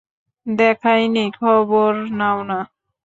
দেখাই নেই, খবরই নাও না।